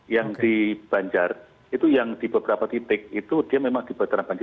yang di banjar itu yang di beberapa titik itu dia memang dibatalkan banjir